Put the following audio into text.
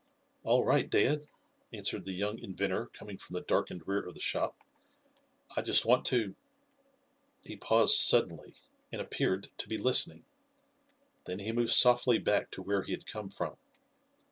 "All right, dad," answered the young inventor coming from the darkened rear of the shop. "I just want to " He paused suddenly, and appeared to be listening. Then he moved softly back to where he had come from.